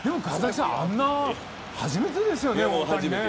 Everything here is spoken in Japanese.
あんなの初めてですよね。